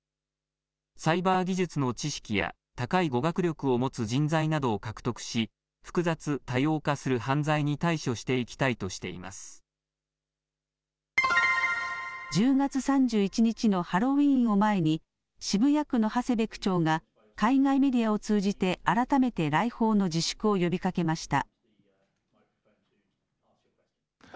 サイバー技術の知識や高い語学力を持つ人材などを獲得し、複雑・多様化する犯罪に対処していきた１０月３１日のハロウィーンを前に、渋谷区の長谷部区長が海外メディアを通じて改めて来訪の自粛を呼びかけました。